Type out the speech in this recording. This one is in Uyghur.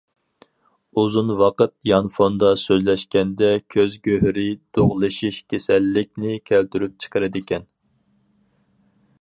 ئۇزۇن ۋاقىت يانفوندا سۆزلەشكەندە كۆز گۆھىرى دۇغلىشىش كېسەللىكنى كەلتۈرۈپ چىقىرىدىكەن.